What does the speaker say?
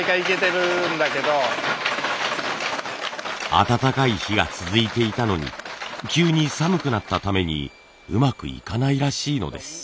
暖かい日が続いていたのに急に寒くなったためにうまくいかないらしいのです。